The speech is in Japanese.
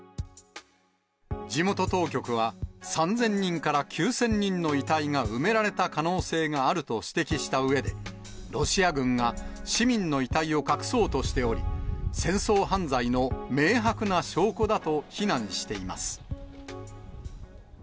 地元当局は、３０００人から９０００人の遺体が埋められた可能性があると指摘したうえで、ロシア軍が市民の遺体を隠そうとしており、戦争犯罪の明白な証拠だと非難しています。